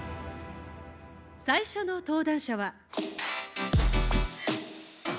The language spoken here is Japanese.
最初の登壇者は。